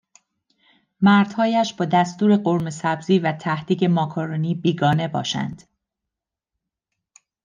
مردهایش با دستور قورمهسبزی و تهدیگ ماکارونی بیگانه باشند